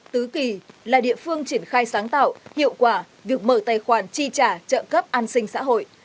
tứ kỳ là địa phương triển khai sáng tạo hiệu quả việc mở tài khoản tri trả trợ cấp an sinh xã hội